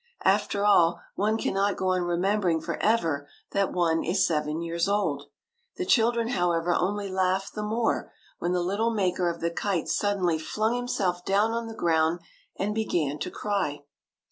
After all, one cannot go on remembering for ever that one is seven years old. The children, however, only laughed the more, when the little maker of the kite suddenly flung himself down on the ground and began to cry.